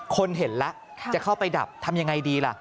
คนเห็นแล้วจะเข้าไปดับทำยังไงดีล่ะ